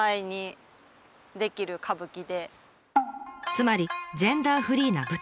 つまりジェンダーフリーな舞台。